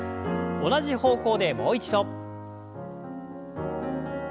同じ方向でもう一度。